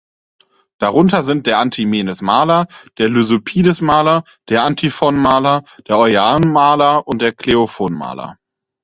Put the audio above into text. Darunter sind der Antimenes-Maler, der Lysippides-Maler, der Antiphon-Maler, der Euaion-Maler und der Kleophon-Maler.